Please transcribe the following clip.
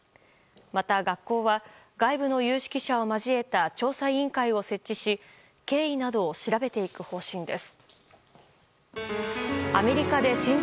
また学校は外部の有識者を交えた調査委員会を設置し経緯などを調べていく方針です。